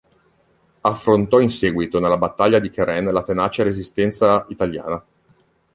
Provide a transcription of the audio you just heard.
Affrontò in seguito nella battaglia di Cheren la tenace resistenza italiana.